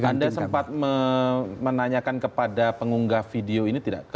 anda sempat menanyakan kepada pengunggah video ini tidak